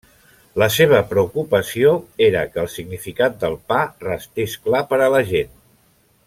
La seva preocupació era que el significat del pa restés clar per a la gent.